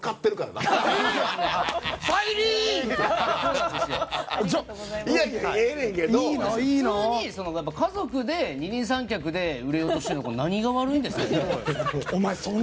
普通に家族で二人三脚で売れようとして何が悪いんですか。